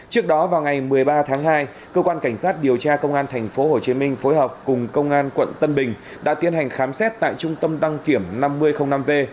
trước đó vào ngày một mươi ba tháng hai cơ quan cảnh sát điều tra công an tp hcm phối hợp cùng công an quận tân bình đã tiến hành khám xét tại trung tâm đăng kiểm năm v